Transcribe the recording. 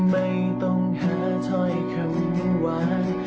ไม่ต้องหาถ้อยคำหวาน